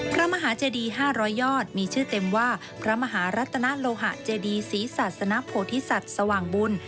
พระมหาเจดี๕๐๐ยอดมีชื่อเต็มว่าพระมหารัตนาโลหะเจดีศรีศาสนโพธิสัตว์สว่างบุญ